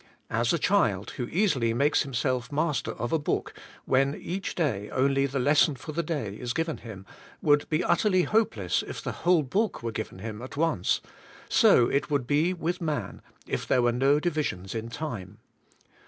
As a child, who easily makes himself master of a book, when each day only the lesson for the day is given him, would be utterly hopeless if the whole book were given him at once; so it would be with man, if there were no divisions in time.